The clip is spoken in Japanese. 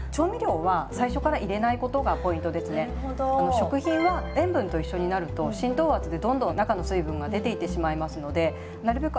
食品は塩分と一緒になると浸透圧でどんどん中の水分が出ていってしまいますのでなるべく